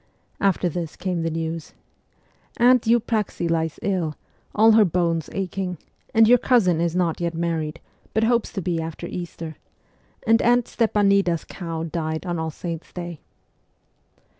After this came the news :' Aunt Eupraxie lies ill, all her bones aching ; and your cousin is not yet married, but hopes to be after Easter ; and aunt Stepanida's cow died on All Saints' day.'